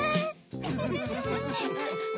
フフフフ。